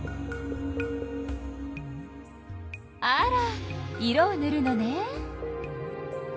あら色をぬるのね。